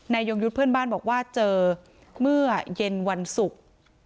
ยงยุทธ์เพื่อนบ้านบอกว่าเจอเมื่อเย็นวันศุกร์